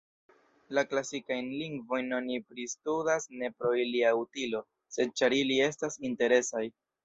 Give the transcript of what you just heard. La klasikajn lingvojn oni pristudas ne pro ilia utilo, sed ĉar ili estas interesaj.